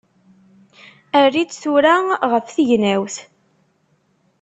Err-itt tura ɣef tegnawt!